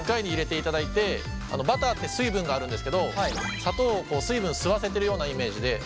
バターって水分があるんですけど砂糖を水分吸わせてるようなイメージで混ざれば大丈夫です。